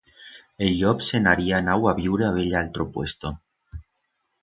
El llop se'n haría anau a viure a bell atro puesto.